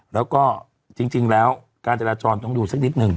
แล้วก็จริงแล้วการจราจรต้องดูสักนิดหนึ่ง